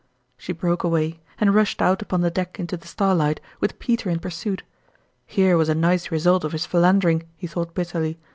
She broke away and rushed out upon the deck into the starlight, with Peter in pursuit. Here was a nice result of his philandering, he thought bitterly.